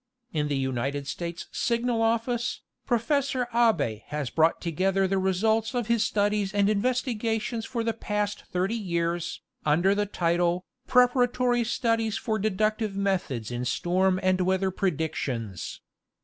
In the United States Signal Office, Professor Abbe has brought together the results of his studies and investigations for the past thirty years, under the title, ''Preparatory studies for Deductive Methods in Storm and Weather Predictions."